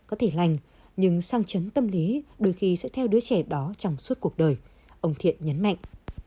có thể lành nhưng sang chấn tâm lý đôi khi sẽ theo đứa trẻ đó trong suốt cuộc đời ông thiện nhấn mạnh